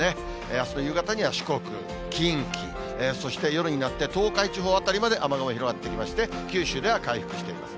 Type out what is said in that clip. あすの夕方には四国、近畿、そして夜になって、東海地方辺りまで雨雲、広がってきまして、九州では回復していきます。